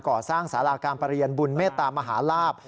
ก่อสร้างสาราการประเรียนบุญเมตตามหาลาบ